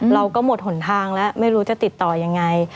เราก็หมดหนทางแล้วไม่รู้จะติดต่อยังไง